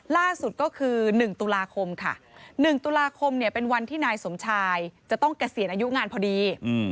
ล่าสุดก็คือ๑ตุลาคมค่ะ๑ตุลาคมเป็นวันที่นายสมชายจะต้องเกษียณอายุงานพอดี